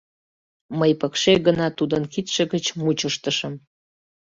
Мый пыкше гына тудын кидше гыч мучыштышым.